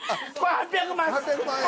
８００万円。